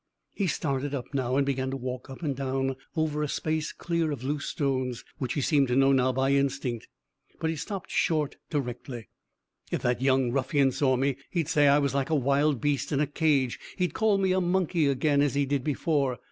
He started up now, and began to walk up and down over a space clear of loose stones, which he seemed to know now by instinct, but he stopped short directly. "If that young ruffian saw me, he'd say I was like a wild beast in a cage. He'd call me a monkey again, as he did before.